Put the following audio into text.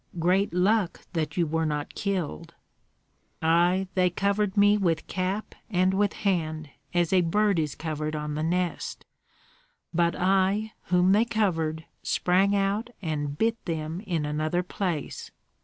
Great luck that you were not killed!" "Ai, they covered me with cap and with hand as a bird is covered on the nest; but I, whom they covered, sprang out and bit them in another place.